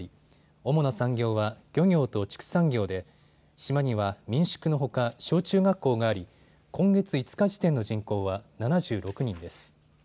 主な産業は漁業と畜産業で島には民宿のほか小中学校があり今月５日時点の人口は７６人です。